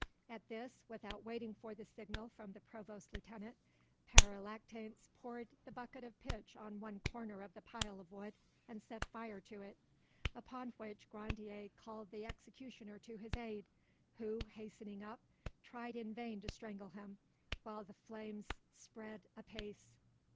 At this, without waiting for the signal from the provost's lieutenant, Pere Lactance poured the bucket of pitch on one corner of the pile of wood and set fire to it, upon which Grandier called the executioner to his aid, who, hastening up, tried in vain to strangle him, while the flames spread apace.